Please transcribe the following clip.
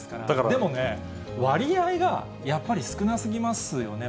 でもね、割合がやっぱり、少なすぎますよね。